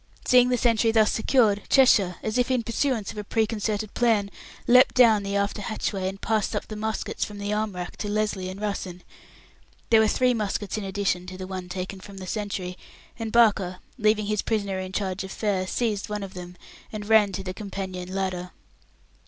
Seeing the sentry thus secured, Cheshire, as if in pursuance of a preconcerted plan, leapt down the after hatchway, and passed up the muskets from the arm racks to Lesly and Russen. There were three muskets in addition to the one taken from the sentry, and Barker, leaving his prisoner in charge of Fair, seized one of them, and ran to the companion ladder.